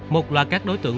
một loạt các đối tượng